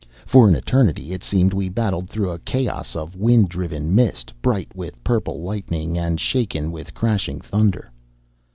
For an eternity, it seemed, we battled through a chaos of wind driven mist, bright with purple lightning and shaken with crashing thunder.